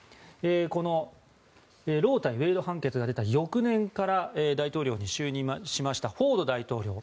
このロー対ウェイド判決が出た翌年から大統領に就任しましたフォード大統領。